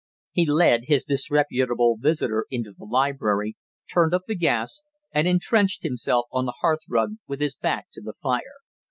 He led his disreputable visitor into the library, turned up the gas, and intrenched himself on the hearth rug with his back to the fire.